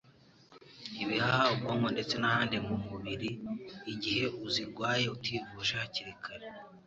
ibihaha, ubwonko ndetse n'ahandi mu mubiri igihe uzirwaye ativuje hakiri kare.